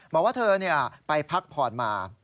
บอกว่าเธอไปพักผ่อนมา